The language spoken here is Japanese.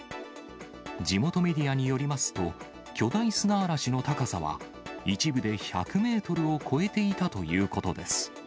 地元メディアによりますと、巨大砂嵐の高さは、一部で１００メートルを超えていたということです。